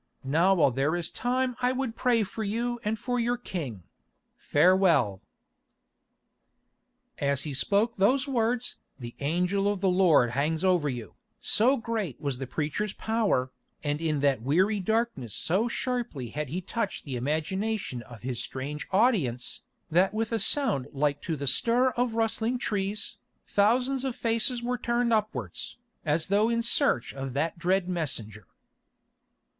Now while there is time I would pray for you and for your king. Farewell." As he spoke those words "the Angel of the Lord hangs over you," so great was the preacher's power, and in that weary darkness so sharply had he touched the imagination of his strange audience, that with a sound like to the stir of rustling trees, thousands of faces were turned upwards, as though in search of that dread messenger.